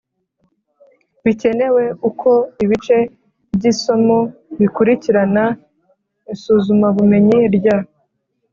Bikenewe uko ibice by isomo bikurikirana izusumabumenyi rya